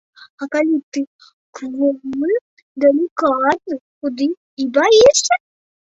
А калі ты кволы, далікатны, худы і баішся?